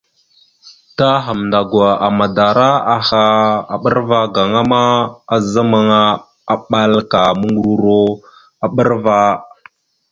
Ta Hamndagwa madara aha a ɓəra ava gaŋa ma, azamaŋa aɓal ka muŋgəruro a ɓəra ava.